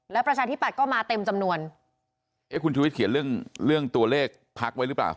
แล้วประชาธิบัตย์ก็มาเต็มจำนวนเอ๊ะคุณชุวิตเขียนเรื่องเรื่องตัวเลขพักไว้หรือเปล่า